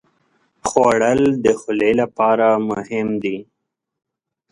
خوړل د خولې لپاره مهم دي